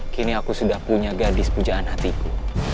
kini aku sudah punya gadis pujaan hatiku